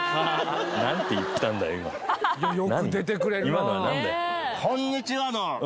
今のは何だよ